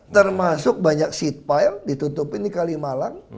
termasuk banyak seat pile ditutupin di kalimalang